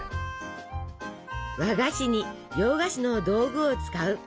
和菓子に洋菓子の道具を使う。